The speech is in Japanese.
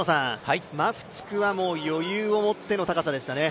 マフチクは余裕を持っての高さでしたね。